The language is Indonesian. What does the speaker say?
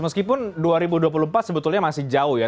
meskipun dua ribu dua puluh empat sebetulnya masih jauh ya